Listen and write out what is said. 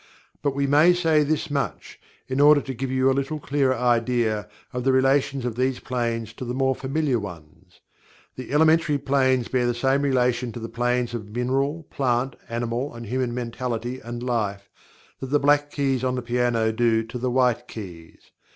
But we may say this much, in order to give you a little clearer idea, of the relations of these planes to the more familiar ones the Elementary Planes bear the same relation to the Planes of Mineral, Plant, Animal and Human Mentality and Life, that the black keys on the piano do to the white keys.